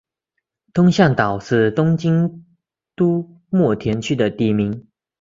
东向岛是东京都墨田区的地名。